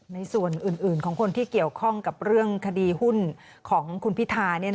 ในส่วนอื่นของคนที่เกี่ยวข้องกับเรื่องคดีหุ้นของคุณพิธา